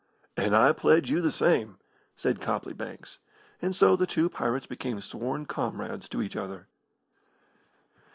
"And I pledge you the same!" said Copley Banks, and so the two pirates became sworn comrades to each other.